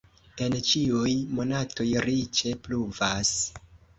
En ĉiuj monatoj riĉe pluvas.